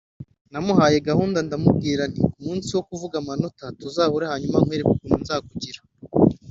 …namuhaye gahunda ndamubwira nti ku munsi wo kuvuga amanota tuzahure hanyuma nkwereka ukuntu nzakugira